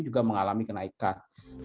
juga mengalami kenaikan